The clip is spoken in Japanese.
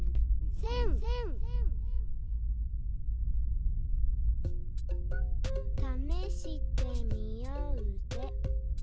「せん」「ためしてみよーぜ」